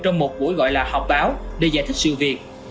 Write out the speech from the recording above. trong một buổi gọi là họp báo để giải thích sự việc